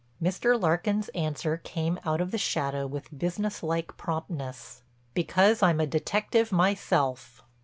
Mr. Larkin's answer came out of the shadow with businesslike promptness: "Because I'm a detective myself."